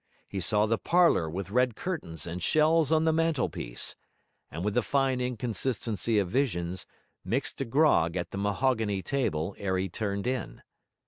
He saw the parlour with red curtains and shells on the mantelpiece and with the fine inconsistency of visions, mixed a grog at the mahogany table ere he turned in.